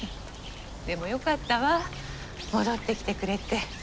でもよかったわ戻ってきてくれて。